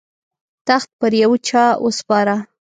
تخت پر یوه چا وسپاره.